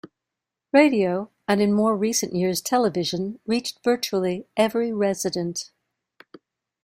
Radio, and in more recent years television, reached virtually every resident.